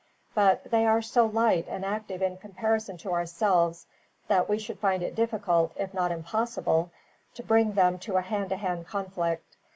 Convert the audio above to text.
But they are so light and active in comparison to ourselves that we should find it difficult, if not impossible, to bring them to a hand to hand conflict.